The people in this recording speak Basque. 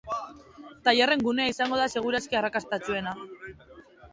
Tailerren gunea izango da segur aski arrakastatsuena.